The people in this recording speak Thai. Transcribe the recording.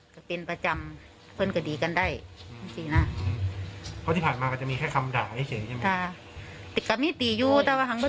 ก็เป็นประจำเพื่อนก็ดีกันได้จริงจริงอ่ะ